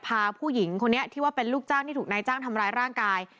พาผู้หญิงคนนี้ที่ว่าเป็นลูกจ้างที่ถูกนายจ้างทำร้ายร่างกาย